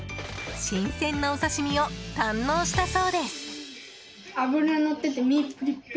新鮮なお刺し身を堪能したそうです。